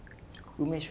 梅酒？